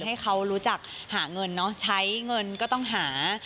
ให้เขารู้จักหาเงินเนอะใช้เงินก็ต้องหา